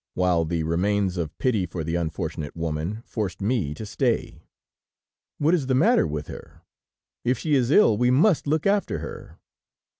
while the remains of pity for the unfortunate woman forced me to say: "What is the matter with her? If she is ill, we must look after her."